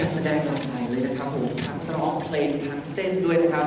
แสดงแบบใหม่เลยนะครับผมทั้งร้องเพลงทั้งเต้นด้วยนะครับ